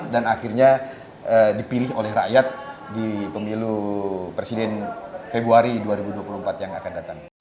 dan akhirnya dipilih oleh rakyat di pemilu presiden februari dua ribu dua puluh empat yang akan datang